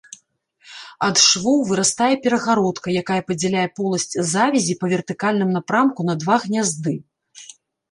Ад швоў вырастае перагародка, якая падзяляе поласць завязі па вертыкальным напрамку на два гнязды.